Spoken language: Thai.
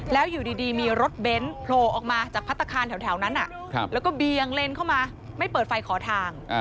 แล้วอยู่ดีมีรถเบนท์โผล่ออกมาจากพัฒนาคารแถวนั้นแล้วก็เบียงเลนเข้ามาไม่เปิดไฟขอทาง